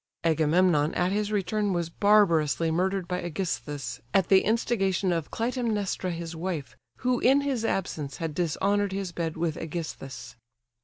Agamemnon at his return was barbarously murdered by Ægysthus, at the instigation of Clytemnestra his wife, who in his absence had dishonoured his bed with Ægysthus.